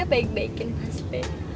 baik baikin mas b